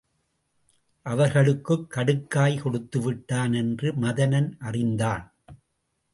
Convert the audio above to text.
அவர்களுக்குக் கடுக்காய் கொடுத்துவிட்டான் என்று மதனன் அறிந்தான்.